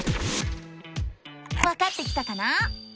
わかってきたかな？